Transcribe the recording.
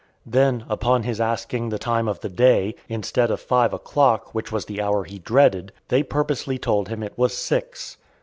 Then, upon his asking the time of the day, instead of five o'clock, which was the hour he dreaded, they purposely told him it was six.